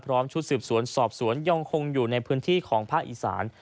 ชุดสืบสวนสอบสวนยังคงอยู่ในพื้นที่ของภาคอีสาน